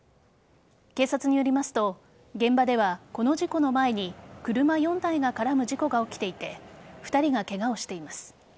警察によりますと現場ではこの事故の前に車４台が絡む事故が起きていて２人がケガをしています。